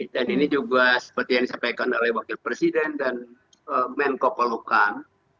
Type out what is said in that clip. dan ini juga seperti yang disampaikan oleh wakil presiden dan menko polukan